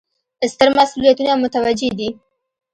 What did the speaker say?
ستر مسوولیتونه متوجه دي.